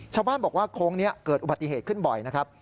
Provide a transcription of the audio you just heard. ชาวบ้านบอกว่าโค้งนี้เกิดอุบัติเหตุขึ้นบ่อยนะครับ